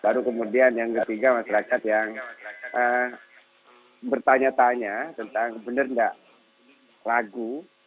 baru kemudian yang ketiga masyarakat yang bertanya tanya tentang benar nggak ragu